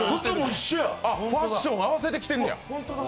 ファッション合わせてきてんやん。